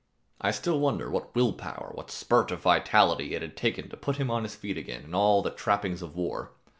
I still wonder what will power, what spurt of vitality it had taken to put him on his feet again in all the trappings of war.